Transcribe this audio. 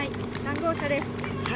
３号車です。